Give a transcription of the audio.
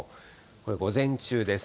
これ、午前中です。